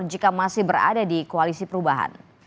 jika masih berada di koalisi perubahan